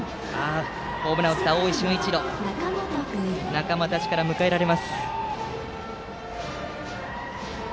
ホームランを打った大井が仲間たちから迎えられます。